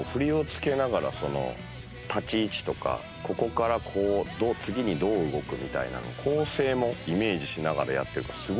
立ち位置とかここから次にどう動くみたいなのを構成もイメージしながらやってるからすごいですよね。